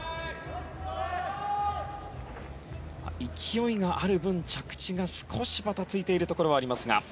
勢いがある分、着地が少しばたついているところはありますが。